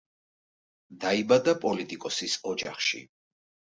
დაიბადა პოლიტიკოსის ოჯახში.